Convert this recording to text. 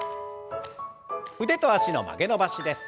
腕と脚の曲げ伸ばしです。